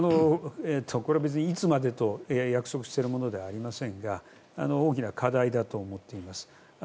これは別にいつまでと約束しているものではありませんが大きな課題だと思っています。